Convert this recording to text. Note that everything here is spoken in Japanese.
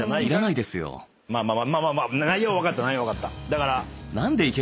だから。